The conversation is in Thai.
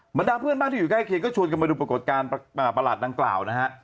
เหมือนดามเพื่อนบ้างที่อยู่ใกล้เคียงก็ชวนกลับมาดูปรากฎการณ์ประหลักรร่างกล่าวนะฮะ